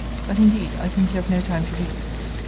But, indeed, I think you have no time to lose.